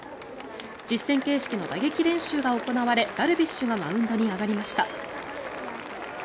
実戦形式の打撃練習が行われダルビッシュがマウンドに上がりました。